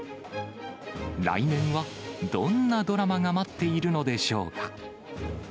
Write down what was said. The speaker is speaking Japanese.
来年はどんなドラマが待っているのでしょうか。